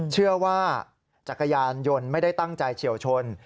เชื่อว่าจักรยานยนต์ไม่ได้ตั้งใจเฉี่ยวชน